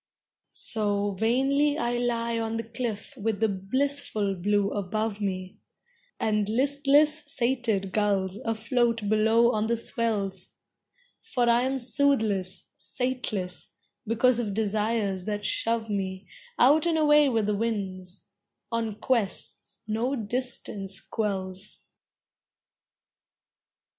So vainly I lie on the cliff with the blissful Blue above me And listless sated gulls afloat below on the swells, For I am soothless, sateless, because of desires that shove me Out and away with the winds, on quests no distance quells!